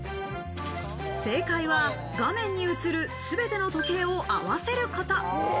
正解は、画面に映るすべての時計を合わせること。